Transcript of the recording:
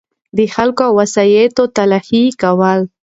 دخلګو او وسایطو تلاښي کول